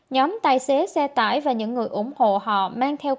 nhóm tài xế xe tải và những người ủng hộ họ mang theo